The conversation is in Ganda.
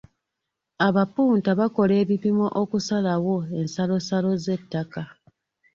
Abapunta bakola ebipimo okusalawo ensalosalo z'ettako.